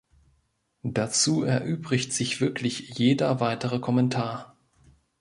Dazu erübrigt sich wirklich jeder weitere Kommentar.